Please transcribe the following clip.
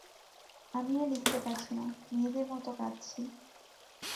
আমি আর লিখতে পারছি না, মেয়েদের মত কাঁদছি।